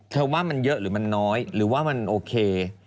ว่ามันเยอะหรือมันน้อยหรือว่ามันโอเค